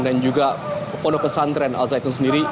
dan juga pondok pesantren al zaitun sendiri